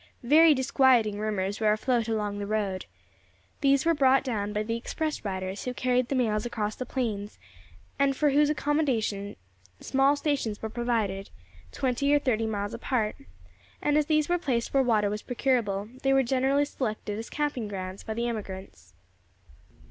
Very disquieting rumours were afloat along the road. These were brought down by the express riders who carried the mails across the plains, and for whose accommodation small stations were provided, twenty or thirty miles apart; and as these were placed where water was procurable, they were generally selected as camping grounds by the emigrants.